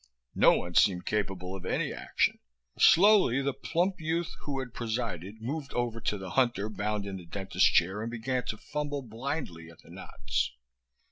No one seemed capable of any action. Slowly the plump youth who had presided moved over to the hunter bound in the dentist's chair and began to fumble blindly at the knots.